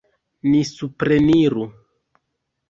Ni supreniru!